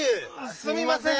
すみません！